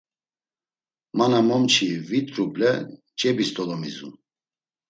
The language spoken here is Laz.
Ma na momçi vit ruble cebis dolomizun.